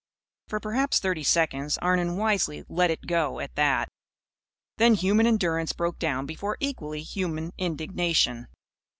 For perhaps thirty seconds, Arnon wisely "let it go at that." Then human endurance broke down before equally human indignation.